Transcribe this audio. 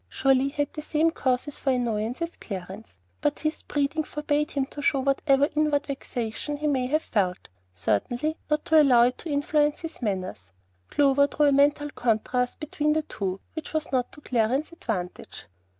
Surely he had the same causes for annoyance as Clarence; but his breeding forbade him to show whatever inward vexation he may have felt, certainly not to allow it to influence his manners. Clover drew a mental contrast between the two which was not to Clarence's advantage.